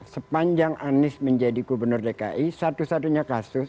sepanjang anies menjadi gubernur dki satu satunya kasus